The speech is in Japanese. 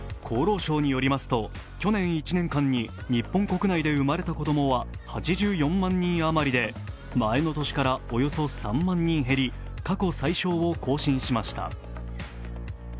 厚労省によりますと去年１年間に日本国内で生まれた子供は８４万人余りで、前の年からおよそ３万人減り、過去最少を更新しました。